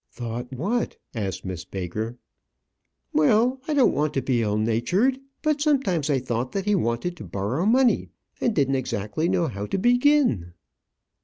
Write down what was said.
"Thought what?" asked Miss Baker. "Well, I don't want to be ill natured; but sometimes I thought that he wanted to borrow money, and didn't exactly know how to begin."